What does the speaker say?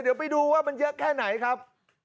เดี๋ยวไปดูว่ามันเยอะแค่ไหนครับ